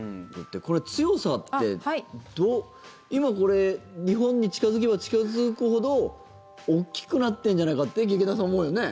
これ、強さってどう今これ日本に近付けば近付くほど大きくなってるんじゃないかって劇団さん、思うよね？